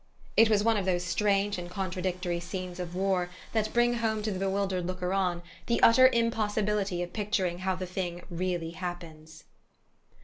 It was one of those strange and contradictory scenes of war that bring home to the bewildered looker on the utter impossibility of picturing how the thing _really happens.